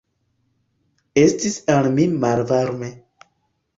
Estis al mi malvarme.